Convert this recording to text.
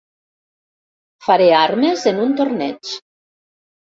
Faré armes en un torneig.